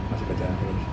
masih bekerjaan kelas